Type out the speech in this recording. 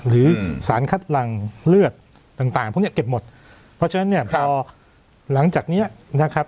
หรือสารคัดหลังเลือดต่างต่างพวกเนี้ยเก็บหมดเพราะฉะนั้นเนี่ยพอหลังจากเนี้ยนะครับ